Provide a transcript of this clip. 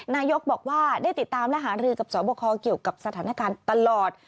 นายกบอกว่าได้ติดตามและหารือกับสอบคอเกี่ยวกับสถานการณ์ตลอด